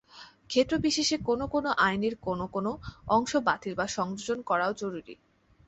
ক্ষেত্রবিশেষে কোনো কোনো আইনের কোনো কোনো অংশ বাতিল বা সংযোজন করাও জরুরি।